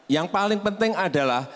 yang paling penting adalah